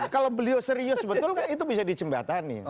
kalau beliau serius betul kan itu bisa dijembatani